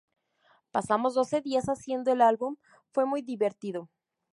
Pasamos doce días haciendo el álbum... fue muy divertido.